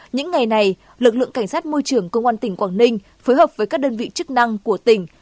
những ngày này lực lượng cảnh sát môi trường công an tỉnh quảng ninh phối hợp với các đơn vị chức năng của tỉnh